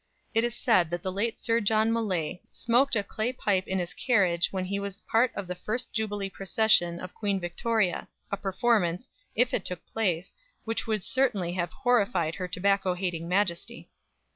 It is said that the late Sir John Millais smoked a clay pipe in his carriage when he was part of the first Jubilee procession of Queen Victoria a performance, if it took place, which would certainly have horrified her tobacco hating Majesty.